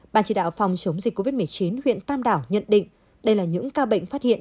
ban chỉ đạo phòng chống dịch covid một mươi chín huyện tam đảo nhận định đây là những ca bệnh phát hiện